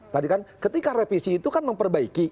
tadi kan ketika revisi itu kan memperbaiki